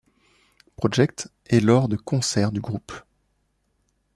Project et lors de concerts du groupe.